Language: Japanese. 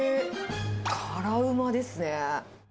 辛うまですね。